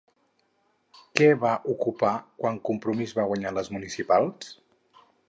Què va ocupar quan Compromís va guanyar les municipals?